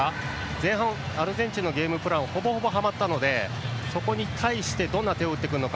前半、アルゼンチンのゲームプランがほぼほぼはまったのでそこに対してどんな手を打ってくるのか。